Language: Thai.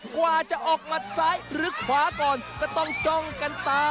กว่าจะออกหมัดซ้ายหรือขวาก่อนก็ต้องจ้องกันตา